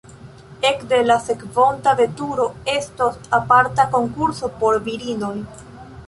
Ekde la sekvonta veturo estos aparta konkurso por virinoj.